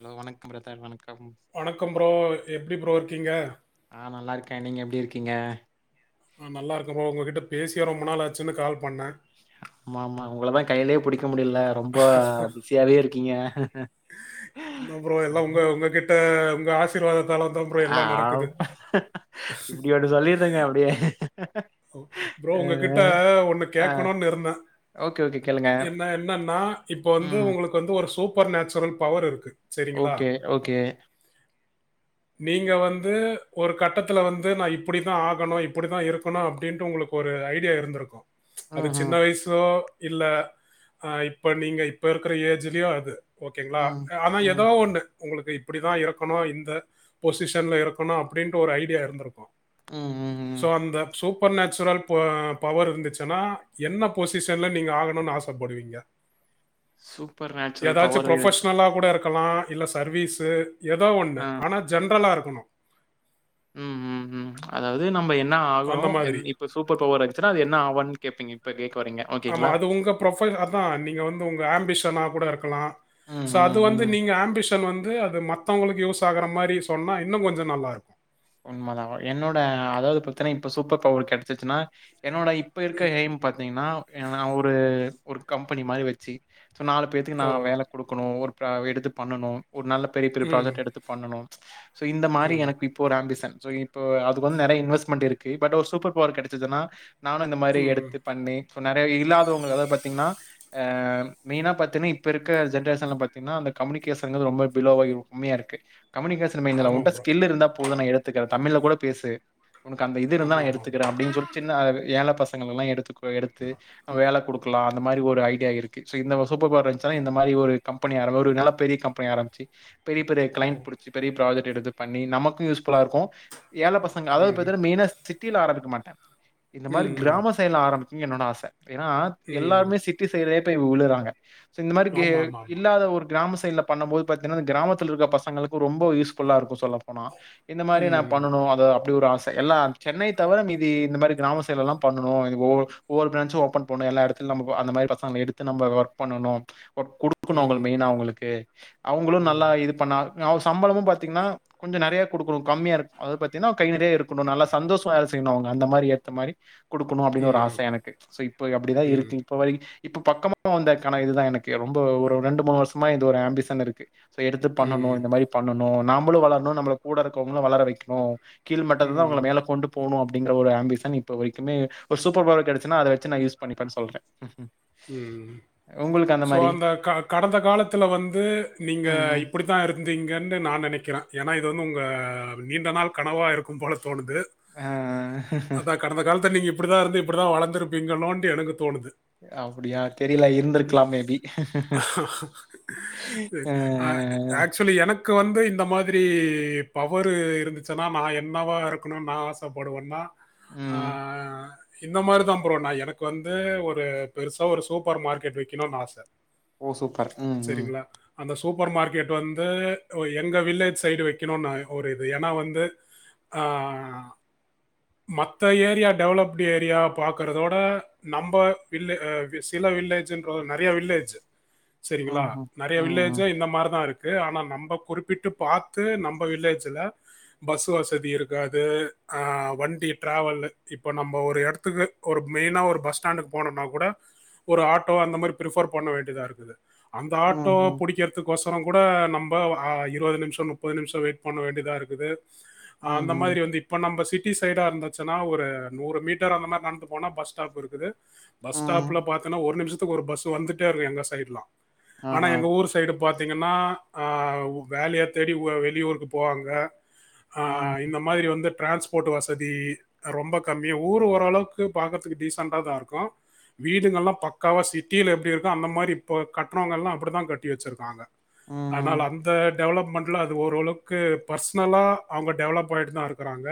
Hello வணக்கம் brother வணக் வணக்கம் ப்ரோ எப்டி ப்ரோ இர்க்கீங்க கா நீங்க எப்டி இர்க்கீங்க நா நல்லார்ருக்கே போ உங்க கிட்ட பேசியே ரொம்ம நாள் ஆச்சுன்னு கால் பண்ணேன். மாமா உங்களத கையிலே புடிக் க்க முடில ரொம்ப பிஸியாவே இருக்கீங்க இந்த ப்ரோ எல்லா உங்க ம். உங்க கிட்ட உங்க ஆசீர்வாதத்தால தா ப்ரோ ஆ எல்லா நடக்குது இப்டி ஒண்ணு சொல்லிருங்க அப்டியே. ப்ரோ அ உங்ககிட்ட ஒன்னுக் அ, ஆ கேக்கணுன் இருந்த ஓகே, ஓகே கேளுங்க. என்ன என்னன்னா இப்ப வந்து ம். உங்களுக்கு வந்து ஒரு சூப்பர் நச்சுரல் பவர் இருக்கு சரிங்களா? ஓகே ஓகே நீங்க வந்து ஒரு கட்டத்துல வந்து நா இப்படித்தா ஆகணு இப்படித்தா இருக் கணு அப்டின்ட்டு உங்களுக்கு ஒரு ஐடியா இருந்திருக்கு அது ம்ஹ்ம். சின்ன வய்சோ இல்ல ஆ இப்ப நீங்க இப்ப இருக்கிற ஏஜ்லே அது ஓகேங்ளா ம். ஆனா ஏதோ ம். ஒண்ணு உங்களுக்கு இப்பிடிதா இருக்கணு இந்த பொசிஷன்ல இருக்கணு அப்டின்ட்டு ஒரு ஐடியா இருந்திருக்கு ம், ம், சோ ம். அந்த சூப்பர் நேச்சுரல் பொ பவர் இர்ந்துச்சனா என்ன பொசிஷன்ல நீங்க ஆகணுன் ஆசப்படுவீங்க சூப்பர் நாச்சுரல் பவர் இருந்ச்சு கலா இல்ல சர்வீஸு ஏதோ ஒன்னு ஆ ஆனா ஜென்ரலாருக் கணோ ம் ம் ம் அதாவ்து நம்ப என் ந அந்த ஆகணு எந் மாதிரி. இப்ப சூப்பர் பவர் எர்ச்சுறா அது என்ன ஆவன் கேப்பீங்க ப்ப கே ஆமா அது உங்க ப்ரொக்பைல் அதா நீங்க வந்து உங்க ஆம்பிஷனா கூட இருக்கலா ம், ச அது ம், வந்து ம். நீங்க ஆம்பிஷ தன் வந்து அது மத்தவங்களுக்கு யூஸ் ஆகுற மாரி சொன்னா இன்னு கொஞ்ச நல்லாருக்கு உண்மதா என்னோட அதாவ்து பத்தன்னா இப்ப சூப்பர் பவரு கெட்ச்சுச்சுனா என்னோட இப்ப இர்க்க எய்ம் பாத்தீங்னா எதன்னா ஒரு ஒரு கம்பெனி மாரி வச்சி ஸோ நாலு பேத்துக்கு ஓ! நா வேல குடுக்குணு ஓரு ப்ரா எடுத்து பண்ணனு ஒர் நல்ல பெரிய் பெரிய ம், ப்ராஜட் எடுத்து பண்ணனு சு இந்த மாரி ம், எனக்கு ஆம்பிஷன் சோ இப்ப அதுக்கு வந்து நெறைய இன்வெஸ்ட்மெண்ட் இருக்கு பட் ஒரு சூப்பர் பவர் கெடைச்சுச்சுன்னா நானு இந்த மாரி ம். எடுத்து பண்ணி இப்போ நெறையா இல்லாதவங்க அதாவ பாத்திங்னா அ மெய்னா பாத்திங்னா இப்ப இருக்க ஜென்ரேஷன்ல பாத்தினா அந்த கம்யூனிகேஷன்ங்றது ரொம்ப பிலோவாகி உமையாருக்கு கம்முனிகேஷன் மெய்ன் இல்ல ஆமாம் அவன்ட்ட ப்ரோ. ஸ்கில் இருந்தா உத நா எடுத்துக்கிற தமிழ்ல கூட பேசு உனக்கு அந்த இது இருந்தா ஆமா, நா ஆமா, ஆமா. எடுத்துக்கற அப்டின் சொல்லி சின்ன ஏழ பச ங்கெலா எடுத்துக்க எடுத்து வேல குடு லா அந்த மாரி ஒரு ஐடியா இருக்கு சோ இந்த சூப்பர் பவர் வந்ச்னா இந்த மாதிரி ஒரு கம்பெனி ஆர ஒரு நல்ல பெரிய கம்பெனி ஆரம்பிச்சு பெரிய பெரிய ஓ! கிளைண்ட் புடிச்சு பெரிய ப்ராஜெக்ட் எடுத்து பண்ணி நமக் கு யூஸ்ஃபுல்லா இருக்கு ஏழ பசங்க அதாது ம், பாத்தன மெயினா சிட்டில ஆரம்பிக்க மாட்ட இந்த மாரி ம், ம், கிராம சைடுல ஆரம்பி நீ என்னோட ஆசை ஏன்னா ம். எல்லாருமே சிட்டி சைடே போய் விழுறாங்க சோ இந்த மாரி கெ ஆமா, ஆமா, ஆமா. இல்லாத ஒரு கிராம சைடுல பண்ணும் போது பாத்தீனா இந்த கிராமத்ல இருக்க பசங்களுக்குக்கு ரொம்ப யூஸ்ஃபுல்லா இருக்கும் சொல்ல போனா இந்த மாரி நா ம், பண்ணனும் அது அப்டி ஒரு ஆச எல்லா சென்னை தவிர மீதி இந்த மாரி கிராம சைடுலலா பண்ணனு ஒ ஒவ்வொரு ப்ராஞ்ச்சும் ஒபன் பண்ணனு எல்லா இடத்துலும் நம்ம அந்த மாரி பசங்க எடுத்து நம்ம ஒர்க் பண்ணணும் குடு குடுக்குணு அவங்க ம், மெயினா அவங்களுக்கு அவங்களு நல்லா இது பண்ணா அவ சம்பளமும் பாத்தீங்கன்னா கொஞ்ச நெறைய குடுக்குனு கம்மியா இருக் அதாவது பாத்தின்னா கை நெறைய இருக்குணு நல்லா சந்தோஷமா செய்யனு அவங்க அந்த மாரி ஏத்த மாரி குடுக்குணு அப்டின்னு ஒரு ஆச ம், எனக்கு சோ இப்ப அப்டிதா ம், இருக்கு இப்ப வரை இப்ப பக்கமா வந்தக் கனா இதுதா எனக்கு ரொம்ப ஒரு ரெண்டு மூணு வருஷமா இது ஒரு ஆம்பிஷன் இருக்கு சோ எடுத்து பண்ணணு ம், இந்த மாதிரி பண்ண னு நாம்பளு வளரணு நம்பள கூட இருக்கவங்களு வளர வெக்கணும் கீழ் மட்டத்துலருந்து ம், அவங்கல மேல கொண்டு போணும் அ அப்டின்ற ஒரு அம்பிஷன் இப்ப வரைக்குமே ஒரு சூப்பர் பவர் கிடைச்சுன்னா அதை வச்சு நான்யூஸ் பண்ணிப்பே சொல்றே ம் உங்களுக்கு சோ மாரி அந்த க கடந்த காலத்துல வந்து நீங்க ம் ம் இப்டித்தா இருந்தீங்கன்னு நா நெனைக்றே ஏன்னா இது வந்து உங்க நீண்ட நாள் கனவா இருக்கும் போல தோணுது ஆ அதா கடந்த காலத்த நீங்க இப்டிதா இருந்து இப்டிதா வளர்ந்துருப்பீங்களோன்ட்டு எனக்கு தோணுது அப்டியா தெரியல ம். இருந்திருக்கலாம் மே பி அ ஆக்சுவலி எனக்கு வந்து இந்த மாதிரி பவர் இருந்துச்சுன்னா நா என்னவா இருக்கணும்னு நா ஆசப்படுவேன்னா ம் இந்த மாரிதா ப்ரோ நா எனக்கு வந்து ஒரு பெருசா ஒரு சூப்பர் மார்க்கெட் வெக்கணும்னு ஆச ஓ சூப்பர் ம் ம் அந்த சூப்பர் மார்க்கெட் வந்து எங்க வில்லேஜ் சைட் வெக்கணுனு ஒரு இது ஏனா வந்து ஆ மத்த ஏரியா டெவலப்டு ஏரியா பாக்கறதோட நம்ப வில்லே அ சில வில்லே ஜ்ன்றோ நறைய வில்லேஜ் சரிங்களா ம் ம் நறையா ம் ம் வில்லேஜே இந்த மாரி தா இருக் கு ஆனா நம்ப குறிப்பிட்டு பாத்து நம்ப வில்லேஜ்ல பஸ் வசதி இருக்காது அ வண்டி ட்ராவல் இப்ப நம்ம ஒரு எடத்துக்கு ஒரு மெயினா ஒரு பஸ் ஸ்டாண்டுக் போனுனா கூட ஒரு ஆட்டோ அந்த மாரி பிரிஃபர் பண்ண வேண்டிதா இருக்குது அந்த ம் ஆட்டோ பிடிக்கிறதுக்கோஸ் ரங் கூட நம்ப ஆ இருவது நிமிஷோ முப்பது நிமிஷோ வெட் பண்ண வேண்டியதா இருக்குது ம் ம் அந்த ம் மாரி வந்து இப்ப நம்ம சிட் டி சைடா இருந்துச்சுனா ஒரு நூறு மீட்டர் அந்த மாரி நடந்து போனா பஸ் ஸ்டாப் இருக்குது பஸ் ஸ்டாப்ல ம் பாத்தனா ஒரு நிமிஷத்துக்கு ஒரு பஸ் வந்துட்டே இருக்கு எங்க சைட்லா ஆனா ஆஹா எங்க ஊர் சைடு பாத்தீங்கன்னா ஆ வேலைய தேடி வெளியூருக்கு போவாங்க ஆ ம் இந்த மாதிரி வந்து ட்ரான்ஸ்போட் வசதி ரொம்ப கம்மியா ஊர் ஓரளவுக்கு பாக்கறதுக்கு டீசெண்டா தா இருக் கு வீடுகள்லா பக்காவா சிட்டில எப்டி இருக்கு அந்த மாரி இப்ப கட்றவங்கல்லா அப்டிதா கட்டி வெச்சிருக்காங்க ம் ஆனால் ம் அந்த டெவலப்மெண்ட்ல அது ஓரளவுக்கு பர்சனலா அவங்க டெவலப் பண்ணிட்டு தா இருக்குறாங்க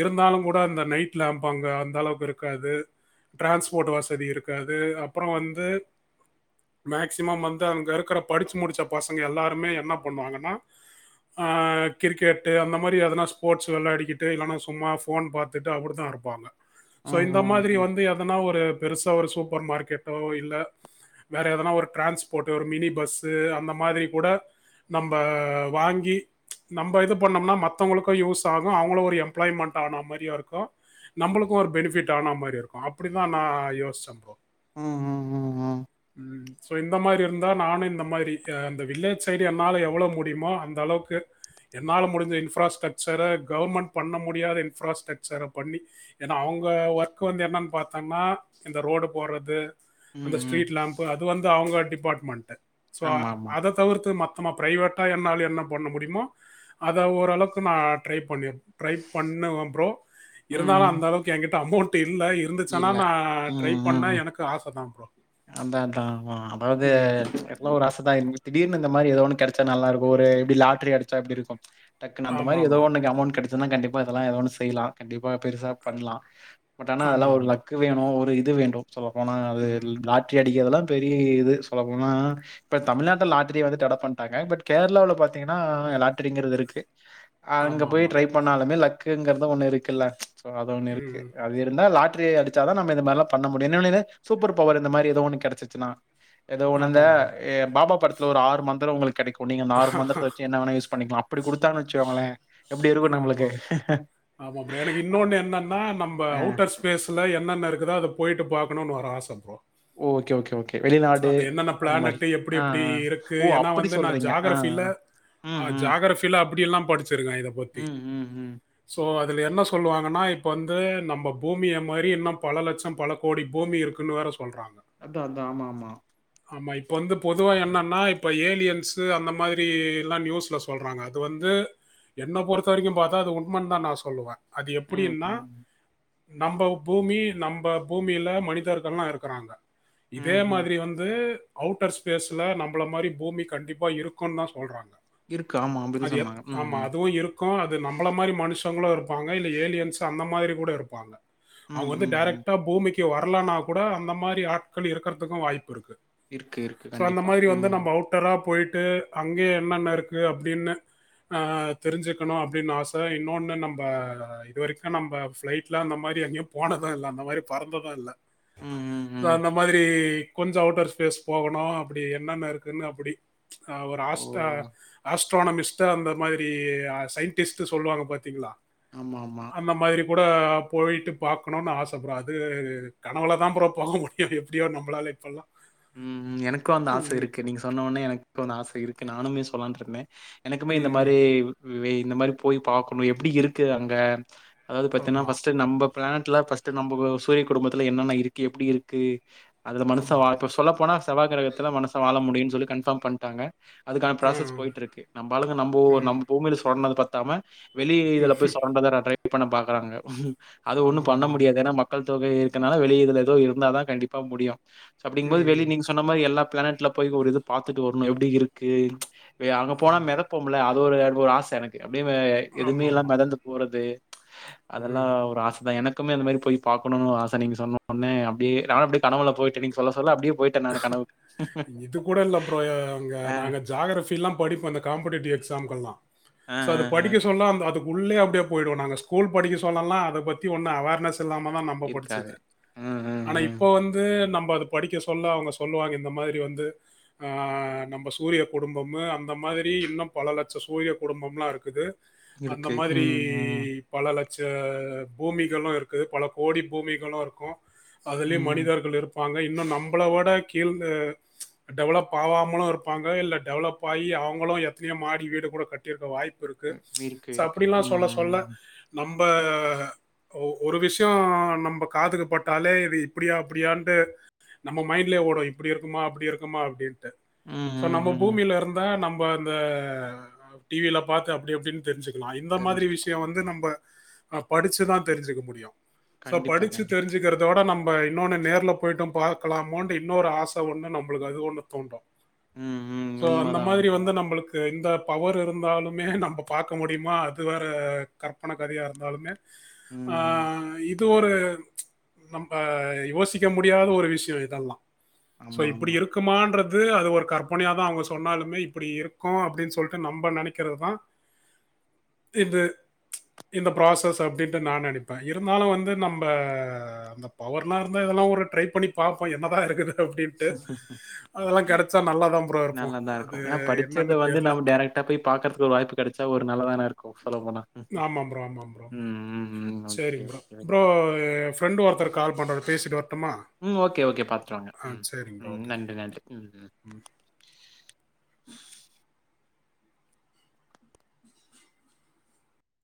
இருந்தாலு கூட அந்த நைட் லாம்ப் அங்க அந்த அளவுக்கு இருக்காது ட்ரான்ஸ்போட் வசதி இருக்காது அப்றோ வந்து மேக்சிமம் வந்து அங்க இருக்குற படிச்சு முடிச்ச பசங்க எல்லாருமே என்ன பண்ணுவாங்கன்னா அ கிரிக்கெட்டு அந்த மாரி எதனா ஸ்போர்ட்ஸ் வெளாடிக்கிட்டு இல்லனா சும்மா ஃபோன் பாத்துட்டு அப்டி தா இருப்பாங்க சோ ம் இந்த ம் ம் மாதிரி ம் வந்து எ ஒரு பெருசா ஒரு சூப்பர் மார்கெட்டோ இல்ல வேற எதனா ஒரு ட்ரண்ஸ்போட் ஒரு மினி பஸ்சு அந்த மாரி கூட நம்ப வாங்கி நம்ப இது பண்ணம்னா மத்தவங்களுக்கு யூஸ் ஆகு அவங்களு ஒரு எம்ப்ளாய்மெண்ட் ஆன மாரியு இருக்கு நம்ளுக்கு ஒரு பெனிஃபிட் ஆன மாரியு இருக்கு அப் டிமா நா யோஸ்ச அப்போ ம் ம் ம் ம் ஸோ இந்த மாரி இருந்தா நானு இந்த மாரி இந்த வில்லேஜ் சைட் என்னால எவ்வளோ முடியுமோ அந்த அளவுக்கு என்னால முடிஞ்ச இன்ஃப்ராஸ்டரக்சர கவர்மெண்ட் பண்ண முடியாத இன்ஃப்ராஸ்ட்ரக்சர பண்ணி ஏனா அவங்க ஒர்க் வந்து என்னன் பாத் த்தம்னா இந்த ரோடு போட்றது ம் அந்த ம் ஸ்ட்ரீட் லேம்ப்பு அது வந்து அவங்க டிப் பாட்மெண்டு சோ ஆமா ஆமா அத தவிர்த்து மத் தம்மா பிரைவேட்டா என்னால என்ன பண்ண முடியுமோ அத ஓரளவுக்கு நா ட்ரை பண்ணிர் ட்ரை பண்ணுவ ப்ரோ இருந்தாலு ம் அந்த அளவுக்கு எகிட்ட அமௌண்ட் டு இல்ல இருந்து லன்னா இல்ல நா ட்ரை பண்ண எனக்கு ஆச தா ப்ரோ அதாதா ஆமா அதாவது ம். எல்லா ஒரு ஆசதா என்ன திடீர் னு இந்த மாரி ஏதோ ஒன்னு கெடச்சா நல்லா இருக்கு ஒரு இப்டி லாட்ரி அடிச்சா எப்டி இருக்கு டக்குனு அந்த மாரி ஏதோ ஆமாமா. ஒன்னுக்கு அமௌண்ட் கெடச் துனா கண்டிப்பா இதெல்லா ஏதோ ஒன்னு செய்லா கண்டிப்பா பெருசா பண்லா பட் ஆனா அதெல்லா ஒரு ஆமாமா. லக் வேணு ஒ இது வேண்டு சொல்ல போனா அது ல் அடிக்கது எல்லா பெரிய இது சொல்ல போனா இப்ப தமிழ்நாட்டுலா லாட்டிரி வந்து தட பண்ணட்டாங்க பட் கேரளாவுல பாத்தீங்கன்னா லாட்டிரிங்குறது இருக்கு அங்க போய் ஆமாமா. ட்ரை பண்ணாலுமே லக் குங்குங்கறது ஒண்ணு இருக்குல்ல சோ அது ஒண்ணு இருக்கு அது இருந்தா லாக் ட்ரி அடிச்சா தா நாம இந்த மாரிலா பண்ண முடியு என்ன [unintelligible] சூப்பர் பவர் இரு இந்த மாரி ஏதோ ஒன்னு கிடைச்சுசுன்னா ஏதோ ஆமா ஆமா ஆமா ஒன்னு இந்த ஆமா ப்ரோ. ஏ பாபா படத்துல ஒரு ஆறு மந்திர உங்களுக்கு கிடைக்கு நீங்க அந்த ஆறு மந்திரத்த வச்சு என்ன வேணா யூஸ் பண்ணிக்கலா அப்படி குடுத்தாங்க வச்சுக்காங்களேன் ஆமா ஆமா ஆமா ப்ரோ எனக்கு இன்னொன்னு என்னன்னா நம்ம அ அவுட்டர் ஸ்பேஸ்ல என்னென்ன இருக்குதோ அத போயிட்டு பாக் அன்னனு ஒரு ஆச ப்ரோ ஓகே ஓகே ஓகே வெளிநாடு அந்த என்னென்ன அந்த மாரி. பிளானட் எப்படி ஆ, எப்படி ஆ. இருக்கு ஓ! ஏன்னா அப்படி வந்து நான் சொல்றீங்க. ஆ, ஜாகிரபில் ஆ. ம், ம். ஜாகிரபில அப்படிய எல்லாம் படிச்சிருக்கேன் இத பத்தி ம், ம், ம். சோ அதில் என்ன சொல்லுவாங்கன்னா இப்போ வந்து நம்ம பூமிய மாரி இன்னு பல லட்சம் பல கோடி பூமி இருக்குன்னு வேற சொல்றாங்க அதான் அதான் ஆமா ஆமா ஆமா இப்போ வந்து பொதுவா என்னன்னா இப்போ ஏலியன்ஸ்சு அந்த மாரிலா நியூஸில் சொல்கிறாங்க அது வந்து என்ன பொறுத்த வரைக்கு பார்த்தா அது உண்மன் தான் நான் சொல்லுவேன் அது ம், எப்படின்னா ம். நம்ப பூமி நம்ப பூமியில மனிதர்கள்லா இருக்காங்க இதே ம், ம். மாரி வந்து அவுட்டர் ஸ்பேஸ்ல நம்மள மாரி பூமி கண்டிப்பா இருக்கும் தான் சொல்றாங்க இருக்கு. ஆமா, அப்படிதான் அது எப் சொன்னாங்க. ம், ஆமா ம். அதுவு இருக்கு அது நம்மள மாரி மனுஷ ங்கள இருப்பாங்க இல்ல ஏலியன்ஸ் அந்த மாரி கூட இருப்பாங்க ம், அவங்க வந்து ம், ம். டைரெக்டா பூமிக்கு கு வரலனா கூட அந்த மாரி ஆட்கள் இருக்கிறதுக்கு வாய்ப் இருக்கு இருக்கு, இருக்கு. சோ அந்த கண்டிப்பா. மாரி ம். வந்து நம்ம அவுட்டரா போயிட் ட்டு அங்கேயே என்னென்ன இருக்கு அப்படின்னு ஆ தெரிஞ்சுக்கணு அப்படின்னு ஆசை இன்னொன்னு நம்ம இதுவரைக்கு நம்ப பிளைட்ல அந்த மாரி எங்கேயு போனதும் இல் அந்த மாரி பறந்ததும் இல்ல ம், ம், தோ ம். அந்த மாதிரி கொஞ்ச அவுட்டர் ஸ்பேஸ் போகணு அப்படி என்னென்ன இருக்குன்னு அப்படி ஆ ஒரு ஓ! ஆஸ்டா ஆஸ் ட்ரோனமிஸ்ட் ஆ அந்த மாதிரி சயின்டிஸ்ட் டு சொல்லுவாங்க பாார்த்தீங்களா ஆமா ஆமா கூட போயிட்டு பார்க்கணு ஆச ப்ரோ அது கனவுள தான் ப்ரோ போக முடியு எப்படியோ நம்மளால பல்லா ம் ம் எனக்கும் அந்த ஆசை இருக்கு நீங்க சொன்னவடனே எனக்கும் அந்த ஆசை இருக்கு கே நானமே சொல்லான் இருந்தேன் எனக்குமே இந்த ம் மாரி வே இந்த மாரி போய் பார்க்கணும் எப்படி இருக்கு அங்க அதாவது பத்தீன்னா ஆமாம் ஃபர்ஸ்ட் நம்ம பிளானட்லாம் ஃபர்ஸ்ட்ட் நம்ம சூரிய குடும்பத்துல என்னென்ன இருக்கு எப்படி இருக்கு அதல மனச ஆமா. வாய் செவ்வா கிரகத்துல மனுச வா ப்பெல்லா முடியும்னு சொல்லி கன்ஃபார்ம் பண்ணிட்டாங்க அதுக்கான ப்ராசஸ் ம். போயிட்டு இருக்கு நம்பாளுங்க நம்போ ம். நம்ம பூமியில சொன்னது பத்த தம வெளிிய இதுல போய் சொந்ததர் அ ட்ரை ரெடி பண்ண பாக்குறாங்க அது ஒண்ணும் பண்ண ஆமாமா. முடியாது ஏன்னா மக்கள் தொகை இருக்கறதுனால வெளிய இதுல ஏதோ இருந்தாதான் கண்டிப்பா முடியும் ப்டிங்க போது ம். வெளிற நீங்க சொன்ன மாரி எல்லா பிளானெட்ல போயி் ஒரு இது பாத்துட்டு வரணும் எப்பிடி இருக்கு பே அங்க போனா ஆமா. மெடப்போம்ல அ அது ஒரு எ ஆச எனக்கு எப்டியுமே எதுவுமே இல்லாம ஆமாமா. மெதந்து போறது ம். அதெல்லாம் ஒரு ஆசைதான் எனக்கு க்குமே அந்த மாரி போய் பாக்கணுனு ஒரு ஆச நீங்க சொன்ன ஒன்னே அப்டியே நா வேணா அப்டி கனவுல போய்ட்ட சொல்ல சொல்ல அப்டியே போயிட்டேன் நானு கனவுக்கு. இது கூட இல்ல ப்ரோ அங்க அ, நாங்க ஜாக்ரஃபி எல்லா படிப்போ இந்த காம்படேட்டிவ் எக்ஸாம்க்கெல்லா அ, சோ அ, அது அ. படிக்க சொன்னா அந்த அது உள்ளயே அப்டியே போயிடுவோ நாங்க ஸ்கூல் படிக்க சொல்லலா அத பத்தி ஒன்னு அவேர்னஸ் இல்லாமதா நம்ம இருக்காது. படிச்சது ம், ம், ஆனா ம். இப்ப வந்து நம்ம அது படிக்க சொல் சொன்ன அவங்க சொல்லுவாங்க இந்த மாதிரி வந்து அ நம்ம சூரிய குடும்பமு அந்த மாதிரி இன்னு பல லட்ச சூரிய குடும்பம்லா இருக்கு அந்த இருக்கு. மாதிரி ம், ம், பல லட் ச பூமிகளு இருக்கு பல கோடி பூமிகளு இருக்கு அதுலயே ம். மனிதர்கள் இருப் வாங்க இன்னு நம் கள விட கீழ் டெவலப் ஆவாமலு இருப்பாங்க இல்ல டெவலப் ஆயி அவங்களு எப்பியோ மாடி வீடு கூட கட்டிருக்க வாய்ப் பிருக்கு ம். இருக்கு, சோ இருக்கு. அப்டிலா ம், சொல்ல சொல்ல ம். நம் ப ஒரு விஷய நம்ப காதுக்கு பட்டாலே இது இப்டியா அப்டியாண்டு நம்ம மைண்ட்லயே ஓடு இப்டி இருக்குமா அப்டி இருக்குமா அப்டின் ட்டு சோ ம், நம்ம ம், ம். பூமியில இருந்தா நம் இப்ப அந்த டி வி ல பாத்து அப்டி அப்டின் தெரிஞ்சுக்லா இந்த மாதிரி தெரிஞ்சுக்கலாம். விஷய வந்து நம்ப ஆ படிச்சுதா தெரிஞ்சுக்க முடியு சோ கண்டிப்பா, படிச்சு கண்டிப்பா. தெரிஞ்சுக்கிறதோட நம் நம்ம இன்னொன்னு நேர்ல போய்ட்டோ பாத் க்கலாமோன்ட் இன்னொரு ஆச ஒண்ணு நம்ளுக்கு அது ஒண்ணு தோன்று ம், ம். சோ அந்த உண்மதான், மாதிரி வந்து உண்மதான். நம்புளுக்கு இந்தப் பவர் இருந்தாலுமே நம்ம பாக்க முடியுமா அது வேற கற்பன கதையா இருந்தாலுமே ஆ ம். இப் இது ஒரு நம்ப யோசிக்க முடியாத ஒரு விஷ் ஜுவேதல்லா சோ ஆமா, இப்டி ஆமா. இருக்கூமான்றத் து அது ஒரு கற்பனையாதா அவுங்க சொன்னாலுமே இப்பிடி இருக்கோ அப்டின் சொல்ட்டு நம்ப நெனைக்கிறதுதா இது ச்ச இந்த ப்ராசஸ் அப்டேட்ன் நா நெனைப்பா இருந்தாலு வந்து நம்ப அந்த பவர்னா வந்து இதெல்லா வந்த ஒரு ட்ரை பண்ணி பாப்போ என்னதா இருக்குதுன் நல்லா தான் ப்ரோ இருப்போம் நல்லாதாருக்கூ அது ஏனா படிச்சத என்னன்னு வந்து தெரில நம் டேரெக்ட்டா போய் பாக்கற்துக் ஒரு வாய்ப்பு கெடச்சா ஒரு நல்லா தானே இருக் கு ஆமாம் ப்ரோ ஆமாம் ப்ரோ ம், ம். செரி okay, bro okay, bro okay. எ ஃப்ரெண்ட்டு ஒருத்தர் கால் பன்றாரு பேசிட்டு வரட்டுமா ம் ஓகே ஓகே பாத்துட்டு வாங்க ஆ ம் சரிங்க ப்ரோ ம் ஓகே நன்றி நன்றி ம் ம்